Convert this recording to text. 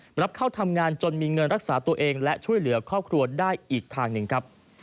กลับเข้าทำงานจนมีเงินรักษาตัวเองและช่วยเหลือครอบครัวได้อีกทางหนึ่งครับ